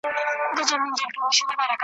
يو گړى نه يم بېغمه له دامونو ,